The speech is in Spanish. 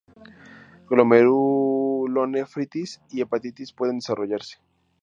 Glomerulonefritis y hepatitis pueden desarrollarse.